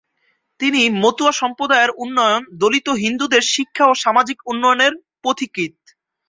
তিনি মতুয়া সম্প্রদায়ের উন্নয়ন, দলিত হিন্দুদের শিক্ষা ও সামাজিক উন্নয়নের পথিকৃৎ।